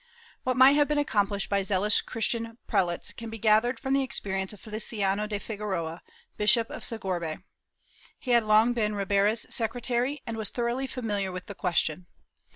What might have been accomplished by zealous Christian pre lates can be gathered from the experience of Feliciano de Figueroa, Bishop of Segorbe. He had long been Ribera's secretary and was thoroughly familiar with the question.